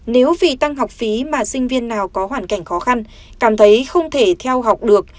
nếu vì tăng học phí mà sinh viên nào có hoàn cảnh khó khăn cảm thấy không thể theo học được